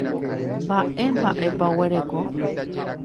Mba'e mba'épa oguereko.